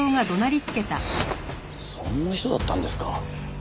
そんな人だったんですか。